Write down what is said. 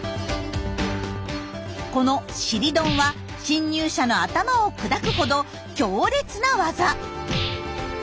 この「尻ドン」は侵入者の頭を砕くほど強烈な技。